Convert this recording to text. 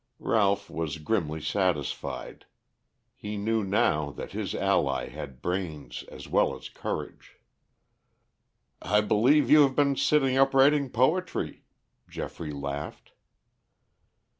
Ralph was grimly satisfied. He knew now that his ally had brains as well as courage. "I believe you have been sitting up writing poetry," Geoffrey laughed.